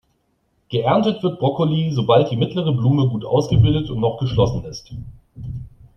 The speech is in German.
Geerntet wird Brokkoli, sobald die mittlere Blume gut ausgebildet und noch geschlossen ist.